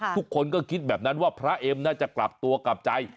ทุกคนก็คิดแบบนั้นว่าพระเอ็มน่าจะกลับตัวกลับใจ